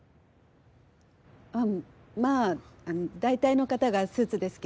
あっまあ大体の方がスーツですけど。